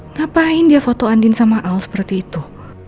ngapain dia foto andin sama al seperti itu